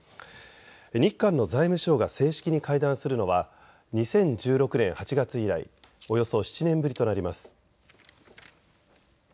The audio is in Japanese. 日韓の財務相が正式に会談するのは２０１６年８月以来およそ７年ぶりとなります。